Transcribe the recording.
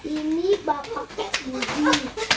ini bapak budi